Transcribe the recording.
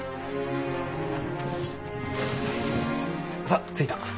さあ着いた。